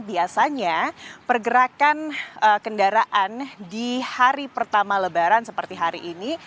biasanya pergerakan kendaraan di hari pertama lebaran seperti hari ini